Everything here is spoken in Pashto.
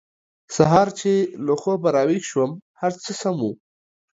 سهار چې له خوبه راویښ شوم هر څه سم وو